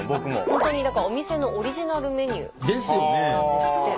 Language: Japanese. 本当にだからお店のオリジナルメニューなんですって。